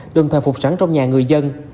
đồng thời phục sẵn trong nhà người dân